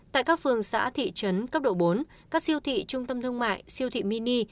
tại các phường xã thị trấn cấp độ bốn các siêu thị trung tâm thương mại siêu thị mini